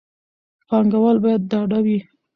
پانګوال باید ډاډه وي.